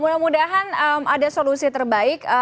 mudah mudahan ada solusi terbaik